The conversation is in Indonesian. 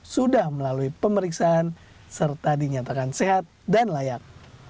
sudah melalui pemeriksaan serta dinyatakan sehat dan layak